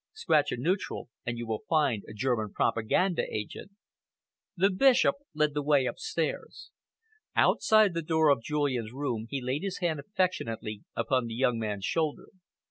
'Scratch a neutral and you find a German propaganda agent!'" The Bishop led the way upstairs. Outside the door of Julian's room, he laid his hand affectionately upon the young man's shoulder.